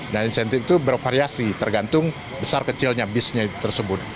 nah insentif itu bervariasi tergantung besar kecilnya bisnya tersebut